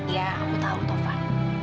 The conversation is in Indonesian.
ya aku tau toh van